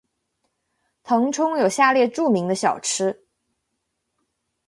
腾冲有下列著名的小吃。